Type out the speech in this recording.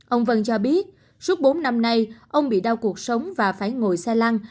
ông vân cho biết suốt bốn năm nay ông bị đau cuộc sống và phải ngồi xe lăng